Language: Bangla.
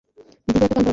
দিব একটা কান বরাবর!